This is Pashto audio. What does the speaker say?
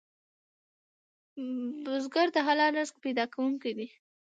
بزګر د حلال رزق پیدا کوونکی دی